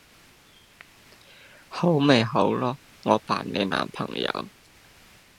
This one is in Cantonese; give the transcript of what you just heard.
好咪好囉！我扮你男朋友！